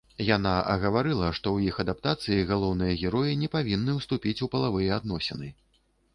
Яна агаварыла, што ў іх адаптацыі галоўныя героі не павінны ўступіць у палавыя адносіны.